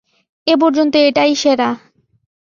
এ পর্যন্ত এটাই সেরা।